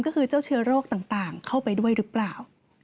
ก็คือเจ้าเชื้อโรคต่างเข้าไปด้วยหรือเปล่า